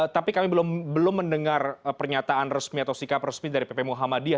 tapi kami belum mendengar pernyataan resmi atau sikap resmi dari pp muhammadiyah